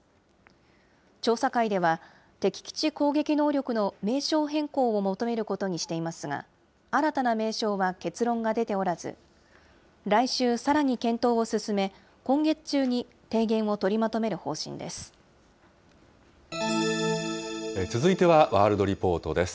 調査会では敵基地攻撃能力の名称変更を求めることにしていますが、新たな名称は結論が出ておらず、来週さらに検討を進め、今月中に続いてはワールドリポートです。